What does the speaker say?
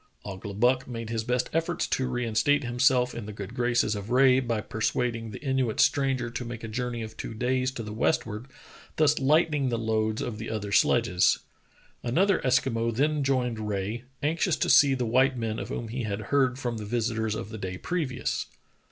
Ouglibuck made his best efforts to reinstate himself in the good graces of Rae by persuading the Inuit stranger to make a journey of two days to the westward, thus lightening the loads of the other sledges. Another Eskimo then joined Rae, anxious to see the white men of whom he had heard from the visitors of the day previous.